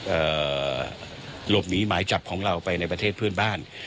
หลบหนีหมายจับของเราไปในประเทศเพื่อนบ้าน